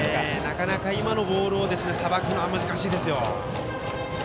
なかなか今のボールをさばくのは難しいですよ。